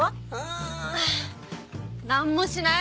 ん何もしない。